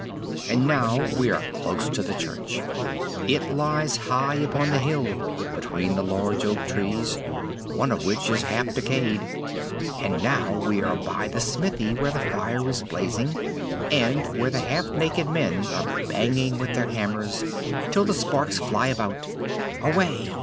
And now we are close to the church. It lies high upon the hill, between the large oak trees, one of which is half decayed. And now we are by the smithy, where the fire is blazing, and where the half naked men are banging with their hammers till the sparks fly about. Away!